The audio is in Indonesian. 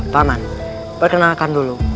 pak man perkenalkan dulu